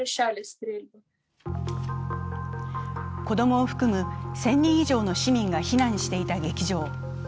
子供を含む１０００人以上の市民が避難していた劇場。